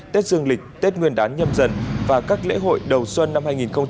tết dương lịch tết nguyên đán nhâm dần và các lễ hội đầu xuân năm hai nghìn hai mươi